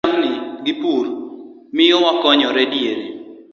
Pith mar jamni gi pur miyo wakonyore diere